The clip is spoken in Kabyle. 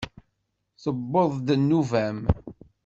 Tewweḍ-d nnuba-m!